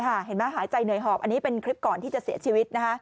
เห็นไหมหายใจเหนื่อยหอบอันนี้เป็นคลิปก่อนที่จะเสียชีวิต